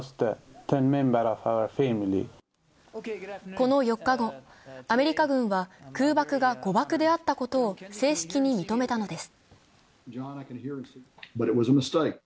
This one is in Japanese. この４日後、アメリカ軍は空爆が誤爆であったことを正式に認めたのです。